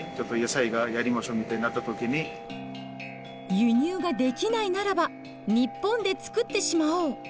輸入ができないならば日本で作ってしまおう！